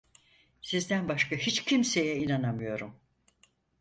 Sizden başka hiç kimseye inanamıyorum…